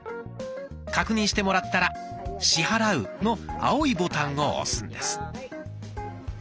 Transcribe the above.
確認してもらったら「支払う」の青いボタンを押すんです。